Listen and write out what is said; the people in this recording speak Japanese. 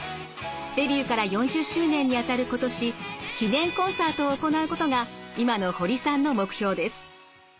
デビューから４０周年にあたる今年記念コンサートを行うことが今の堀さんの目標です。